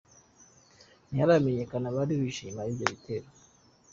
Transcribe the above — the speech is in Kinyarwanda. Ntiharamenyekana abari bihishe inyuma y’ibyo bitero.